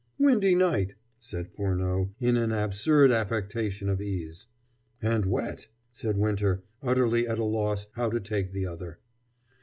"Windy night," said Furneaux, in an absurd affectation of ease. "And wet," said Winter, utterly at a loss how to take the other.